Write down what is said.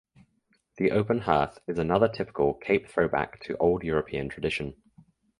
The open hearth is another typical Cape throwback to old European tradition.